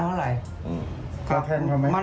นี่ผมอะผมพุกกิตตัวมา